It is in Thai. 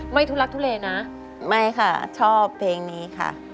ทุลักทุเลนะไม่ค่ะชอบเพลงนี้ค่ะ